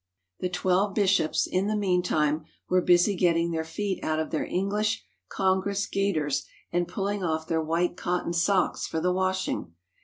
The twelve bishops, in the meantime, were busy get ting their feet out of their English congress gaiters and pulling off their white cotton socks for the washing.